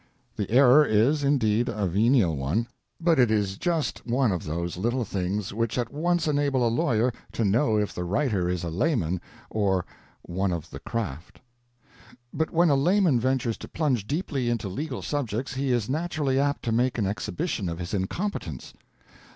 The error is, indeed, a venial one, but it is just one of those little things which at once enable a lawyer to know if the writer is a layman or "one of the craft." But when a layman ventures to plunge deeply into legal subjects, he is naturally apt to make an exhibition of his incompetence.